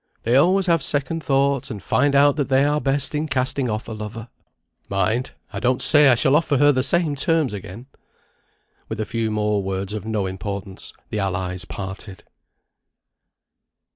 They always have second thoughts, and find out that they are best in casting off a lover. Mind! I don't say I shall offer her the same terms again." With a few more words of no importance, the allies parted.